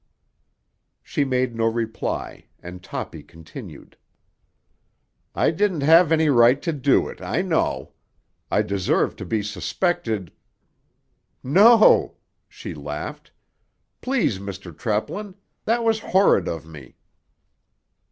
She made no reply, and Toppy continued: "I didn't have any right to do it, I know. I deserve to be suspected——" "No!" she laughed. "Please, Mr. Treplin! That was horrid of me."